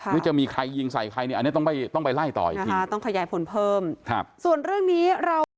มันจะมีใครยิงใส่ใครอันนี้ต้องไปต้องไปไล่ต่ออีกทีต้องขยายผลเพิ่มส่วนเรื่องนี้เรา